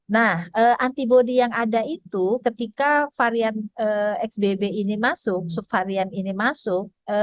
nah antibody yang ada itu ketika varian xbb ini masuk subvarian ini masuk